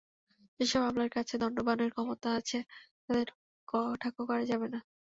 যেসব আমলার কাছে দণ্ডদানের ক্ষমতা আছে, তাঁদের কটাক্ষ করা যাবে না।